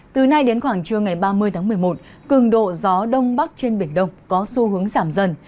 từ nay đến khoảng trưa ngày ba mươi tháng một mươi một cường độ gió đông bắc trên biển đông có xu hướng giảm dần